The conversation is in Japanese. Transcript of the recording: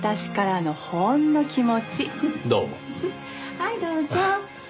はいどうぞ。